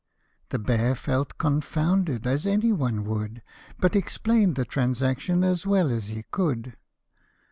" The bear felt confounded, as any one would, But explain'd the transaction as well as he could.